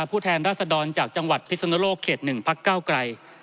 ผู้แทนรัศดรจากจังหวัดพิศนุโลกเขต๑พักเก้าไกล